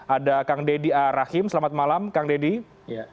ada kang deddy a rahim selamat malam kang deddy